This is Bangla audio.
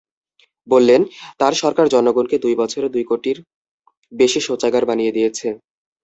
বললেন, তাঁর সরকার জনগণকে দুই বছরে দুই কোটির বেশি শৌচাগার বানিয়ে দিয়েছে।